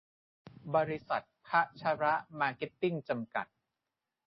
บริษัท พชร มาร์เก็ตติ้ง จำกัด